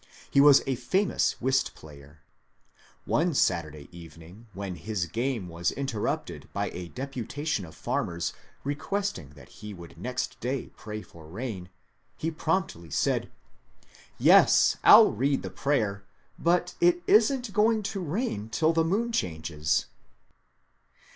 He was a famous whist player. One Saturday evening when his game was interrupted by a deputation of farmers request ing that he would next day pray for rain, he promptly said, '^ Yes, 1 11 read the prayer, but it is n't going to rain till the moon changes."